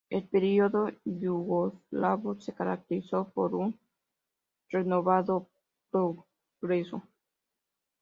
El período yugoslavo se caracterizó por un renovado progreso.